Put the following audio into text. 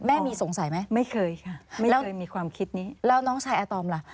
แม่มีสงสัยไหมไม่เคยค่ะไม่เคยมีความคิดนี้แล้วน้องชายอาตอมล่ะ